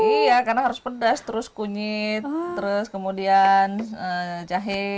iya karena harus pedas terus kunyit terus kemudian jahe